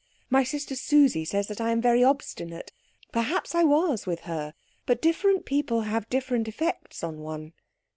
My sister Susie says I am very obstinate. Perhaps I was with her, but different people have different effects on one."